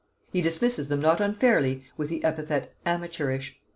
He dismisses them not unfairly with the epithet "amateurish."